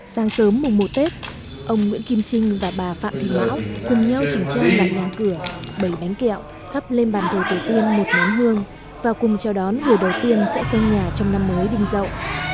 sáng sớm mùng một tết ông nguyễn kim trinh và bà phạm thị mão cùng nhau trình chơi bàn ngã cửa bầy bánh kẹo thắp lên bàn thầy tổ tiên một nén hương và cùng chào đón người đầu tiên sẽ sông nhà trong năm mới đinh dậu